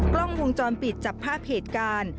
กล้องวงจรปิดจับภาพเหตุการณ์